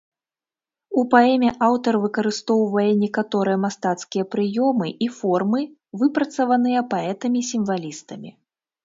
У паэме аўтар выкарыстоўвае некаторыя мастацкія прыёмы і формы, выпрацаваныя паэтамі-сімвалістамі.